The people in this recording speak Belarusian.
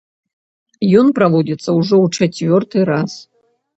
Ён праводзіцца ўжо ў чацвёрты раз.